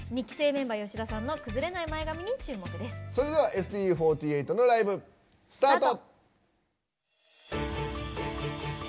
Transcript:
それではＳＴＵ４８のライブ、スタート。